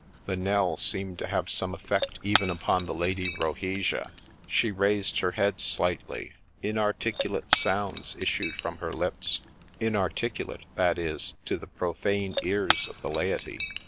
The knell seemed to have some effect even upon the Lady Rohesia ; she raised her head slightly ; inarticulate sounds issued from her lips, — inarticulate, that is, to the profane ears of the laity.